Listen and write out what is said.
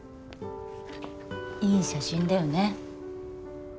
いい写真だよね。